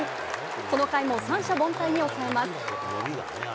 この回も三者凡退に抑えます。